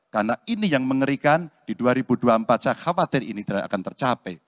karena ini yang mengerikan di dua ribu dua puluh empat sah khawatir ini tidak akan tercapai